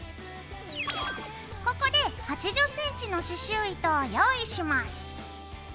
ここで８０ｃｍの刺しゅう糸を用意します。